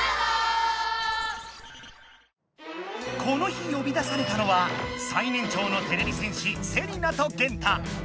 この日よび出されたのは最年長のてれび戦士セリナとゲンタ。